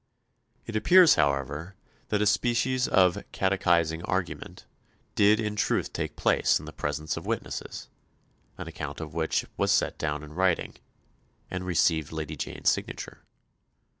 It appears, however, that a species of "catechising argument" did in truth take place in the presence of witnesses, an account of which was set down in writing, and received Lady Jane's signature.